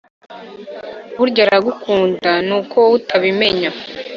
burya aragukunda ni uko wowe utabimenya